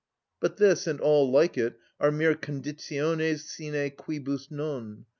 But this and all like it are mere conditiones sine quibus non.